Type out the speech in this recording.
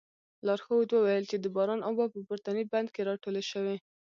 لارښود وویل چې د باران اوبه په پورتني بند کې راټولې شوې.